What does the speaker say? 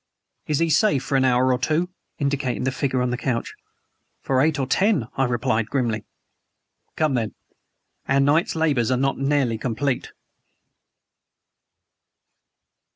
"Is HE safe for an hour or two?" indicating the figure on the couch. "For eight or ten," I replied grimly. "Come, then. Our night's labors are not nearly complete."